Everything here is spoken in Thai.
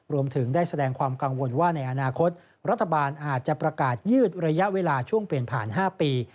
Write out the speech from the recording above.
รวมถึงได้แสดงความกังวลว่าในอนาคตรัฐบาลอาจจะประกาศยืดระยะเวลาช่วงเปลี่ยนผ่าน๕ปี